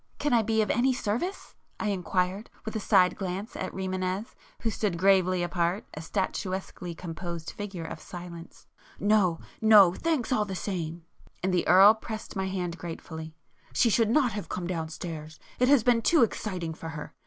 "Can I be of any service?" I inquired, with a side glance at Rimânez, who stood gravely apart, a statuesquely composed figure of silence. "No no,—thanks all the same!" and the Earl pressed my hand gratefully—"She should not have come downstairs,—it has been too exciting for her.